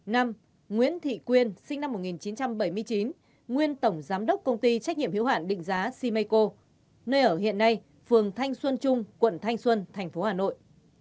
năm nguyễn thị quyên sinh năm một nghìn chín trăm bảy mươi chín nguyên tổng giám đốc công ty trách nhiệm hiệu hạn định giá simeco nơi ở hiện nay phường thanh xuân trung quận thanh xuân thành phố hà nội